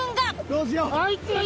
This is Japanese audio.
どうしよ？